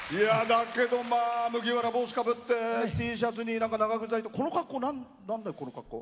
だけど、麦わら帽子かぶってＴシャツに長靴はいてこの格好、なんでこの格好？